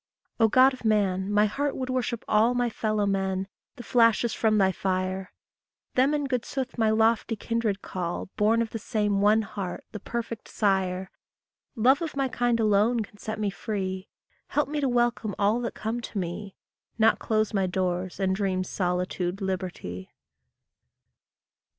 O God of man, my heart would worship all My fellow men, the flashes from thy fire; Them in good sooth my lofty kindred call, Born of the same one heart, the perfect sire; Love of my kind alone can set me free; Help me to welcome all that come to me, Not close my doors and dream solitude liberty!